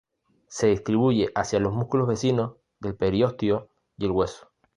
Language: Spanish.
Se distribuye hacia los músculos vecinos, el periostio y el hueso.